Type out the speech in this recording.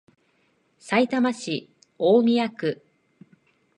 さいたま市大宮区